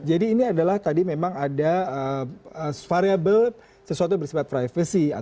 jadi ini adalah tadi memang ada variable sesuatu bersebut privacy